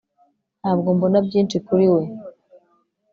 ntabwo mbona byinshi kuri we